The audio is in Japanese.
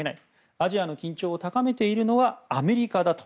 アジアの緊張を高めているのはアメリカだと。